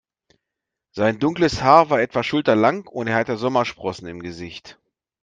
Sein dunkles Haar war etwa schulterlang und er hatte Sommersprossen im Gesicht.